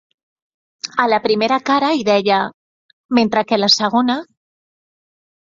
A la primera cara hi deia: "", mentre que a la segona: "".